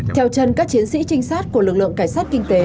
theo chân các chiến sĩ trinh sát của lực lượng cảnh sát kinh tế